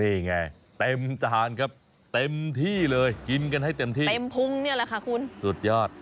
นี่ไงเต็มจานครับเต็มที่เลยกินกันให้เต็มที่เต็มพุงเนี่ยแหละค่ะคุณสุดยอด